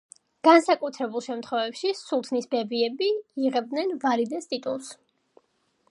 განსაკუთრებულ შემთხვევებში, სულთნის ბებიები იღებდნენ ვალიდეს ტიტულს.